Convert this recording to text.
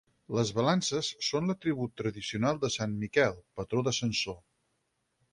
Les balances són l'atribut tradicional de sant Miquel, patró de Sansor.